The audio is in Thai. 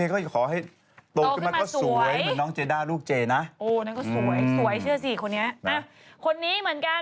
สวรรค์เหรอดูไม่ลูกขึ้นมายาว